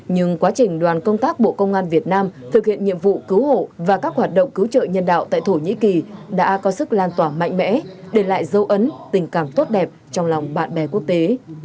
nhưng quá trình đoàn công tác bộ công an việt nam thực hiện nhiệm vụ cứu hộ và các hoạt động cứu trợ nhân đạo tại thổ nhĩ kỳ đã có sức lan tỏa mạnh mẽ để lại dấu ấn tình cảm tốt đẹp trong lòng bạn bè quốc tế